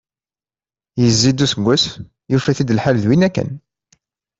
Yezzi-d useggas, yufa-t-id lḥal d winna kan.